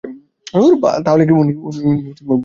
তাহলে উনি ভুল করেছে?